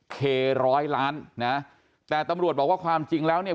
เคร้อยล้านนะแต่ตำรวจบอกว่าความจริงแล้วเนี่ย